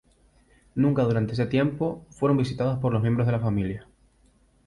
Nunca durante ese tiempo, fueron visitados por los miembros de la familia.